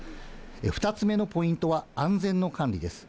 ２つ目のポイントは安全の管理です。